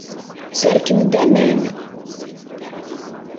Serkem-d aman.